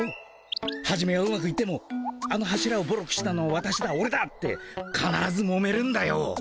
はじめはうまくいってもあの柱をボロくしたのはわたしだオレだってかならずもめるんだよ。